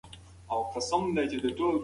علمي پوهه باید د ګومان پر ځای وکارول سي.